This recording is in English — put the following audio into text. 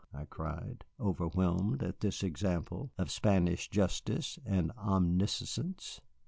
I cried, overwhelmed at this example of Spanish justice and omniscience.